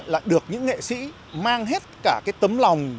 là được những nghệ sĩ mang hết cả cái tấm lòng